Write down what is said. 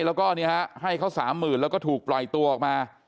แล้วก็ให้เขา๓๐๐๐แล้วก็ถูกปล่อยตัวออกมา